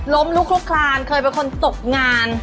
ลุกลุกคลานเคยเป็นคนตกงาน